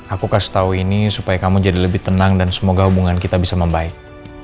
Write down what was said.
aku kasih tahu ini supaya kamu jadi lebih tenang dan semoga hubungan kita bisa membaik